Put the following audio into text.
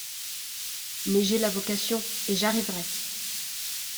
Mais j’ai la vocation, et j’arriverai !